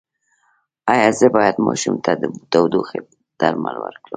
ایا زه باید ماشوم ته د ټوخي درمل ورکړم؟